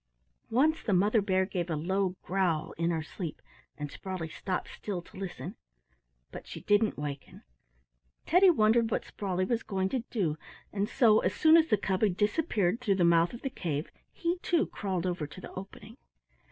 Once the Mother Bear gave a low growl in her sleep and Sprawley stopped still to listen, but she didn't waken. Teddy wondered what Sprawley was going to do, and so, as soon as the cub had disappeared through the mouth of the cave, he too crawled over to the opening.